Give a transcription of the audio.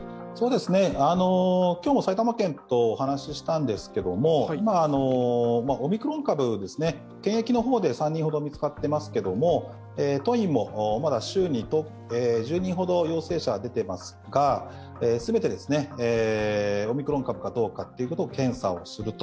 今日も埼玉県とお話ししたんですが、今、オミクロン株、検疫の方で３人ほど見つかっていますが当院もまだ週に１０人ほど陽性者が出ていますが、すべてオミクロン株かどうかということを検査すると。